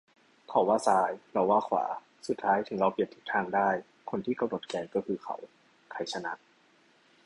เขาว่าซ้าย เราว่าขวา สุดท้ายถึงเราเปลี่ยนทิศทางได้ คนที่กำหนดแกนก็คือเขา ใครชนะ ?